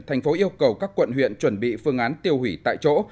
thành phố yêu cầu các quận huyện chuẩn bị phương án tiêu hủy tại chỗ